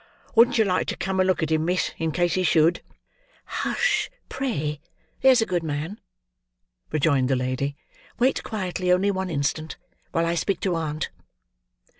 "Wouldn't you like to come and look at him, miss, in case he should?" "Hush, pray; there's a good man!" rejoined the lady. "Wait quietly only one instant, while I speak to aunt."